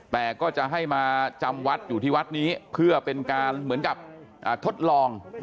แต่ก็จะให้มาจำวัดอยู่ที่วัดนี้เพื่อเป็นการเหมือนกับทดลอง